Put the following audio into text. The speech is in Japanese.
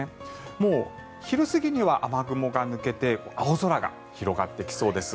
もう昼過ぎには雨雲が抜けて青空が広がってきそうです。